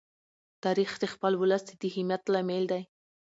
تاریخ د خپل ولس د همت لامل دی.